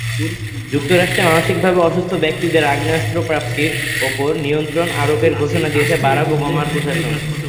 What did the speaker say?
যুক্তরাষ্ট্রে মানসিকভাবে অসুস্থ ব্যক্তিদের আগ্নেয়াস্ত্রপ্রাপ্তির ওপর নিয়ন্ত্রণ আরোপের ঘোষণা দিয়েছেন বারাক ওবামার প্রশাসন।